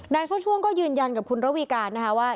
ช่วงก็ยืนยันกับคุณระวีการนะคะว่า